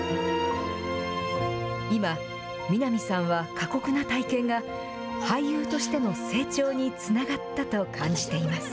今、南さんは過酷な体験が俳優としての成長につながったと感じています。